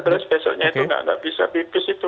terus besoknya itu nggak bisa bipis itu